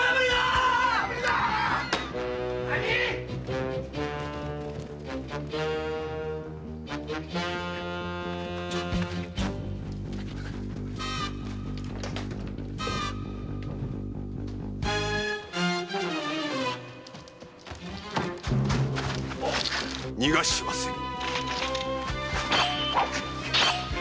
何⁉逃がしはせぬ！